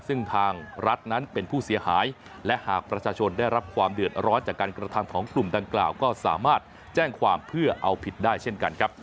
ซึ่งทางรัฐนั้นเป็นผู้เสียหายและหากประชาชนได้รับความเดือดร้อนจากการกระทำของกลุ่มดังกล่าวก็สามารถแจ้งความเพื่อเอาผิดได้เช่นกันครับ